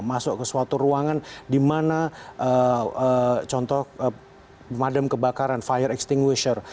masuk ke suatu ruangan dimana contoh madam kebakaran fire extinguisher